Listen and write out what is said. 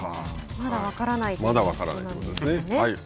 まだ分からないということなんですよね。